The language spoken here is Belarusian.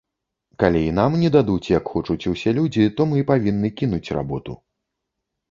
Калі і нам не дадуць, як хочуць усе людзі, то мы павінны кінуць работу.